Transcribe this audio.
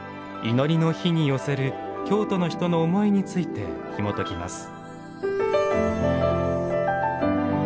祈りの火に寄せる京都の人の思いについてひもときます。